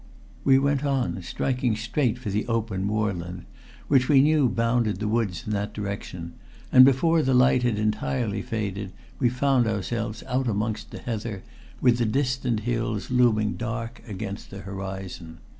We went on, striking straight for the open moorland which we knew bounded the woods in that direction, and before the light had entirely faded we found ourselves out amongst the heather with the distant hills looming dark against the horizon.